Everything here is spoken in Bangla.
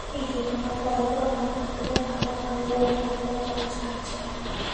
ঈদের নামাজ পড়ার জন্য বাবার মতো তারও পাঞ্জাবি-পাজামা পরা চা-ই চাই।